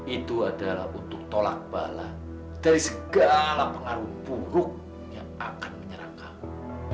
itu adalah untuk tolak bala dari segala pengaruh buruk yang akan menyerang kamu